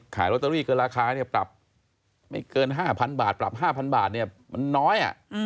ขายลอตเตอรี่เกินราคาปรับไม่เกิน๕๐๐๐บาทปรับ๕๐๐๐บาทมันน้อย